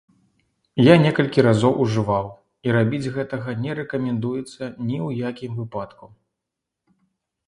Я некалькі разоў ужываў, і рабіць гэтага не рэкамендуецца ні ў якім выпадку!